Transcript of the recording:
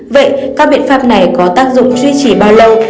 vậy các biện pháp này có tác dụng duy trì bao lâu